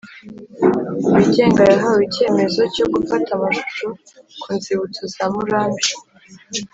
wigenga yahawe icyemezo cyo gufata amashusho ku nzibutso za Murambi